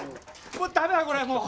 もう駄目だこれもう。